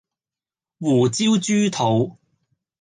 胡椒豬肚